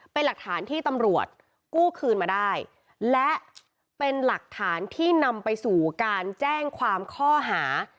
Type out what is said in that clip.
เป็นหลักฐานที่ตำรวจกู้คืนมาได้และเป็นหลักฐานที่นำไปสู่การแจ้งความข้อหา